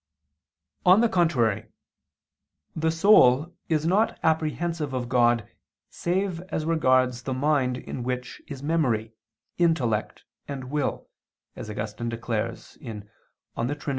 On the contrary, The soul is not apprehensive of God save as regards the mind in which is memory, intellect and will, as Augustine declares (De Trin.